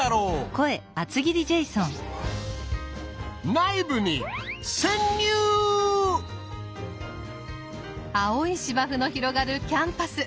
内部に青い芝生の広がるキャンパス。